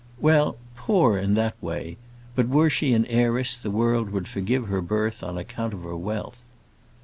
"Well, poor in that way. But were she an heiress, the world would forgive her birth on account of her wealth."